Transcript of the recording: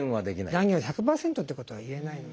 断言は１００％ってことは言えないので。